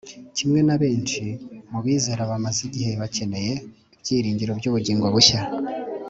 kimwe na benshi mu bizera bamaze igihe bakeneye ibyiringiro by'ubugingo bushya